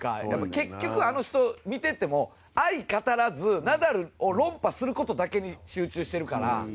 結局、あの人見てても相語らずナダルを論破することだけに集中してるから。